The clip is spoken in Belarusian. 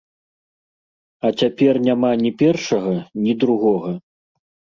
А цяпер няма ні першага, ні другога.